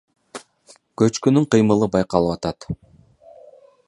Көчкүнүн кыймылы байкалып атат.